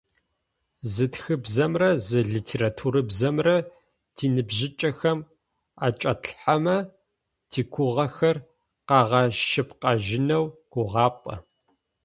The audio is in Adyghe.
Зы тхыбзэмрэ зы литературабзэмрэ тиныбжьыкӀэхэм аӏэкӏатлъхьэмэ тигугъэхэр къагъэшъыпкъэжьынэу гугъапӏэ.